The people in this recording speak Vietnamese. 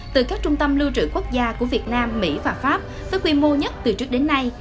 từ các trung tâm lưu trữ quốc gia của việt nam mỹ và pháp với quy mô nhất từ trước đến nay